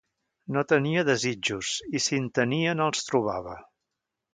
No tenia desitjos, i si en tenia no'ls trobava